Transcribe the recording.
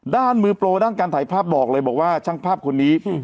ด้านมือโปรด้านการถ่ายภาพบอกเลยบอกว่าช่างภาพคนนี้